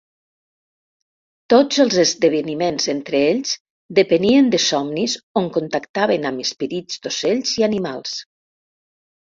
Tots els esdeveniments entre ells depenien de somnis on contactaven amb esperits d'ocells i animals.